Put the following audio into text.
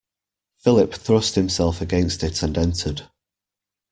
Philip thrust himself against it and entered.